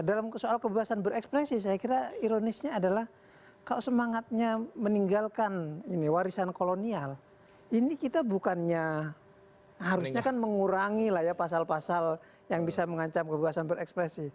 dalam soal kebebasan berekspresi saya kira ironisnya adalah kalau semangatnya meninggalkan ini warisan kolonial ini kita bukannya harusnya kan mengurangi lah ya pasal pasal yang bisa mengancam kebebasan berekspresi